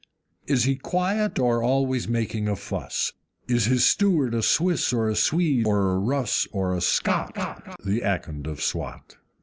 Is he quiet, or always making a fuss? Is his steward a Swiss or a Swede or a Russ, or a SCOT, The Akond of Swat?